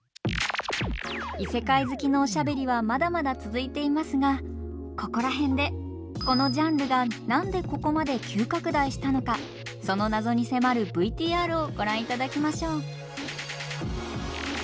異世界好きのおしゃべりはまだまだ続いていますがここら辺でこのジャンルが何でここまで急拡大したのかその謎に迫るＶＴＲをご覧いただきましょう。